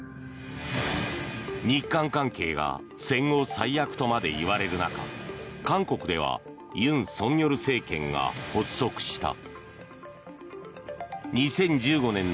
日韓関係が戦後最悪とまで言われる中韓国では尹錫悦政権が発足した。